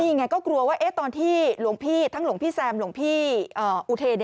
นี่ไงก็กลัวว่าตอนที่หลวงพี่ทั้งหลวงพี่แซมหลวงพี่อุเทน